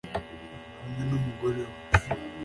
'hamwe numugore we